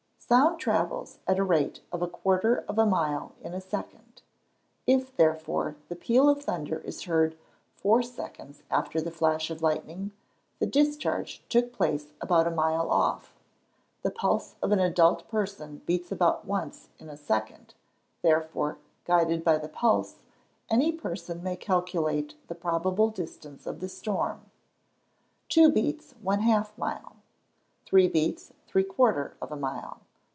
_ Sound travels at the rate of a quarter of a mile in a second. If, therefore, the peal of thunder is heard four seconds after the flash of lightning, the discharge took place about a mile off. The pulse of an adult person beats about once in a second; therefore, guided by the pulse, any person may calculate the probable distance of the storm: 2 beats, 1/2 a mile. 3 beats, 3/4 of a mile.